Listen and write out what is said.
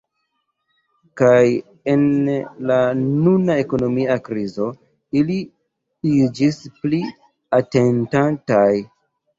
Kaj en la nuna ekonomia krizo ili iĝis pli atentataj.